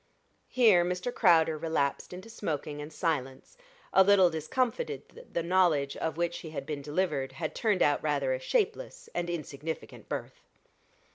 Here Mr. Crowder relapsed into smoking and silence, a little discomfited that the knowledge of which he had been delivered had turned out rather a shapeless and insignificant birth.